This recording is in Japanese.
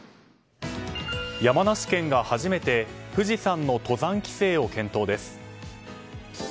山梨県が初めて富士山の登山規制を検討です。